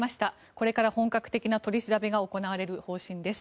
これから本格的な取り調べが行われる方針です。